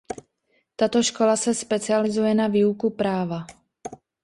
Tato škola se specializuje na výuku práva.